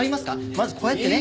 まずこうやってね。